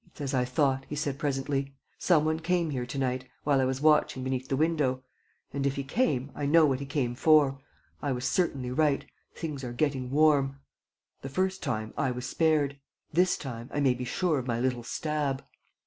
"It's as I thought," he said presently. "Some one came here to night, while I was watching beneath the window. And, if he came, I know what he came for. ... I was certainly right: things are getting warm. ... The first time, I was spared. This time, I may be sure of my little stab."